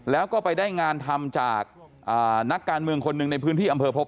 แล้วก็ไปได้งานทำจากนักการเมืองคนหนึ่งในพื้นที่อำเภอพบ